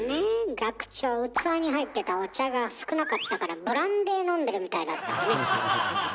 学長器に入ってたお茶が少なかったからブランデー飲んでるみたいだったわね。